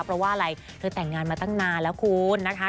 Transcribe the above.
เพราะว่าอะไรเธอแต่งงานมาตั้งนานแล้วคุณนะคะ